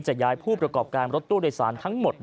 ย้ายผู้ประกอบการรถตู้โดยสารทั้งหมด